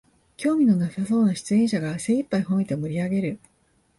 興味のなさそうな出演者が精いっぱいほめて盛りあげる